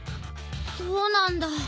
そうなんだ。